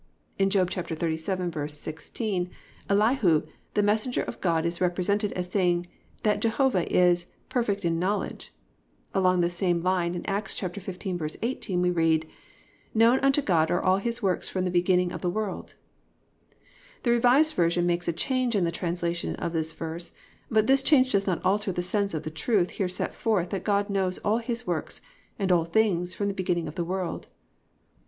In Job 37:16 Elihu the messenger of God is represented as saying that Jehovah is "perfect in knowledge." Along the same line, in Acts 15:18 we read: +"Known unto God are all his works from the beginning of the world."+ The Revised Version makes a change in the translation of this verse but this change does not alter the sense of the truth here set forth that God knows all His works and all things from the beginning of the world.